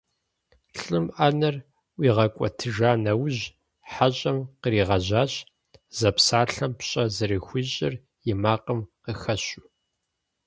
Лӏым Ӏэнэр ӀуигъэкӀуэтыжа нэужь хьэщӏэм къригъэжьащ, зэпсалъэм пщӀэ зэрыхуищӀыр и макъым къыхэщу.